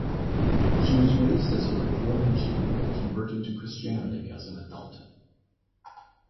She was raised as a Reform Jew, but converted to Christianity as an adult.